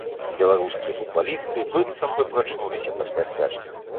Беларускія футбалісты быццам бы прачнуліся пасля спячкі.